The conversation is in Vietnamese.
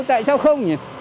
tại sao không nhỉ